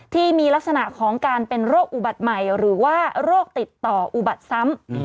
ที่มีลักษณะของการเป็นโรคอุบัติใหม่หรือว่าโรคติดต่ออุบัติซ้ำ